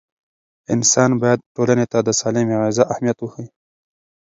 انسان باید ټولنې ته د سالمې غذا اهمیت وښيي.